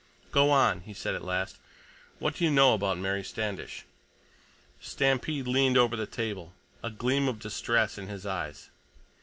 "Go on," he said at last. "What do you know about Mary Standish?" Stampede leaned over the table, a gleam of distress in his eyes.